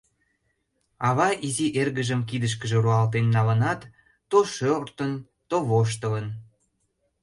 Ава изи эргыжым кидышкыже руалтен налынат, то шортын, то воштылын.